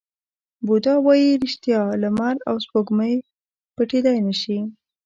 بودا وایي ریښتیا، لمر او سپوږمۍ پټېدای نه شي.